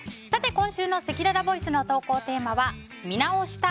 今週のせきららボイスの投稿テーマは見直した＆